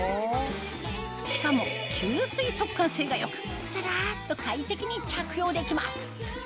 しかも吸水速乾性が良くサラっと快適に着用できます